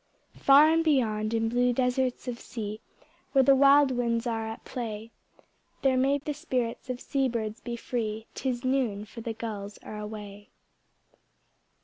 Far and beyond in blue deserts of sea, Where the wild winds are at play. There may the spirits of sea birds be free ŌĆö *Tis noon, for the gulls are away.